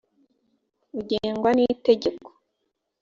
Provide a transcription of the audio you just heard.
ugengwa n itegeko